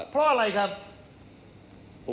เพราะอะไรครับ